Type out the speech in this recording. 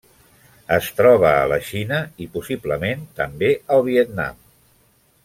Es troba a la Xina i, possiblement també, al Vietnam.